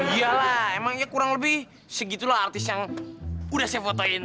iya lah emangnya kurang lebih segitulah artis yang udah saya fotoin